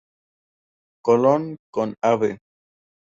Colón" con "Av.